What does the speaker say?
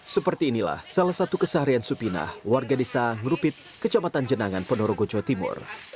seperti inilah salah satu keseharian supinah warga desa ngerupit kecamatan jenangan ponorogo jawa timur